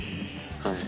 はい。